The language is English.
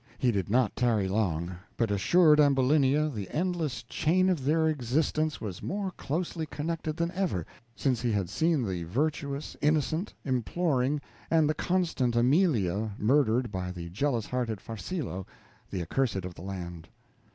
He did not tarry long, but assured Ambulinia the endless chain of their existence was more closely connected than ever, since he had seen the virtuous, innocent, imploring, and the constant Amelia murdered by the jealous hearted Farcillo, the accursed of the land.